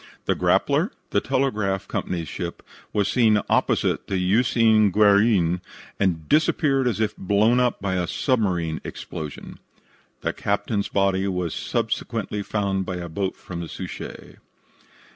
The Grappler, the telegraph company's ship, was seen opposite the Usine Guerin, and disappeared as if blown up by a submarine explosion. The captain's body was subsequently found by a boat from the Suchet.